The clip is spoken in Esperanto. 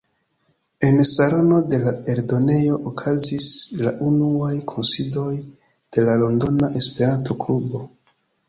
En salono de la eldonejo okazis la unuaj kunsidoj de la Londona Esperanto Klubo.